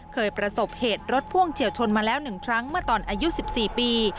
เคยประสบเหตุรถพ่วงเฉียวชนมาแล้ว๑ครั้งเมื่อตอนอายุ๑๔ปี